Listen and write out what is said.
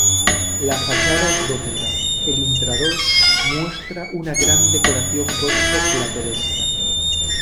La fachada es gótica, el intradós, muestra una gran decoración gótico plateresca.